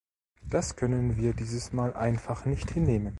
Das können wir dieses Mal einfach nicht hinnehmen.